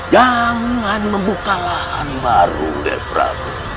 jangan membuka lahan baru nger prabu